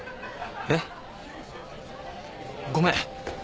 えっ？ごめん。